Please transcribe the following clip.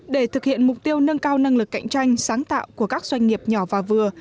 để thực hiện mục tiêu nâng cao năng lực cạnh tranh sáng tạo của các doanh nghiệp nhỏ và vừa